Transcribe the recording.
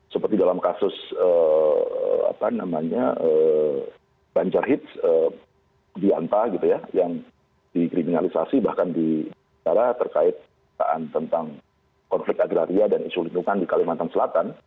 seperti dalam kasus apa namanya banjar hits di anta gitu ya yang dikriminalisasi bahkan di negara terkait tentang konflik agraria dan isu lindungan di kalimantan selatan